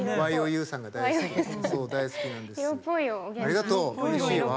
ありがとううれしいわ。